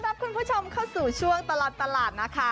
รับคุณผู้ชมเข้าสู่ช่วงตลอดตลาดนะคะ